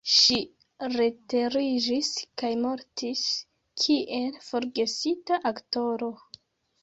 Ŝi retiriĝis kaj mortis kiel forgesita aktoro.